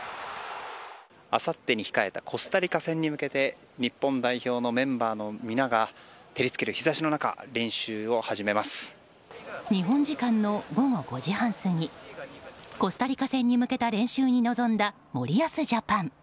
あさってに控えたコスタリカ戦に向けて日本代表のメンバーの皆が照りつける日差しの中日本時間の午後５時半過ぎコスタリカ戦に向けた練習に臨んだ森保ジャパン。